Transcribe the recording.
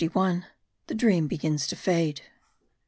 THE DREAM BEGINS TO FADE.